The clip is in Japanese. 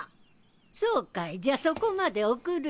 そうかいじゃあそこまで送るよ。